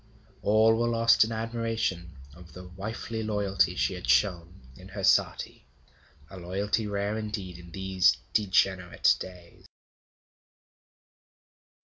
All were lost in admiration of the wifely loyalty she had shown in her sati, a loyalty rare indeed in these degenerate days.